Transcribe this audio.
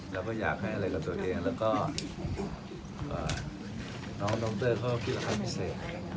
แล้วก็อยากให้อะไรกับตัวเองแล้วก็น้องดรเขาคิดราคาพิเศษ